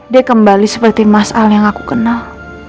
dia kembali seperti mas al yang aku kenal